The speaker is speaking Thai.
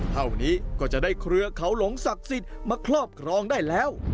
เท่านี้ก็จะได้เครือเขาหลงศักดิ์สิทธิ์มาครอบครองได้แล้ว